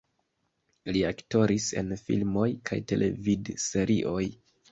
Li aktoris en filmoj kaj televidserioj.